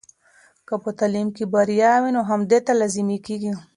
که په تعلیم کې بریا وي، نو همدې ته لازمي کیږي.